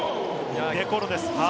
デ・コロです。